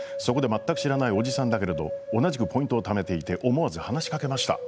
全く知らないおじさんだけど同じポイントをためていて思わず話しかけました。